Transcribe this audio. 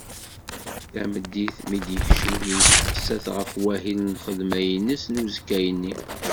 Tameddit, mi d-yekcem testeqsa-t ɣef wahil n lxedma-ines n uzekka-nni.